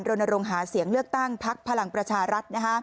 รณรงค์หาเสียงเลือกตั้งพักพลังประชารัฐ